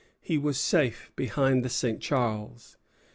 He was safe behind the St. Charles.